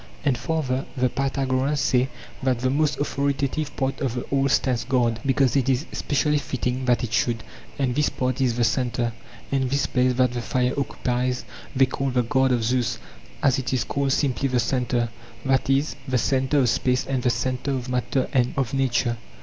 ... And farther the Pythagoreans say that the most authoritative part of the All stands guard, because it is specially fitting that it should, and this part is the centre; and this place that the fire occupies, they call the guard of Zeus, as it is called simply the centre, that is, the centre of space and the centre of matter and of nature.